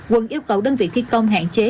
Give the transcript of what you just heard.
quận yêu cầu đơn vị thi công hạn chế